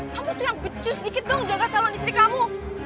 kamu tuh yang becus sedikit dong jaga calon istri kamu